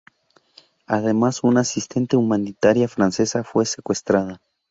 Además una asistente humanitaria francesa fue secuestrada.